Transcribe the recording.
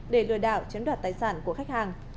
để lừa đảo chiếm đoạt tài sản của khách hàng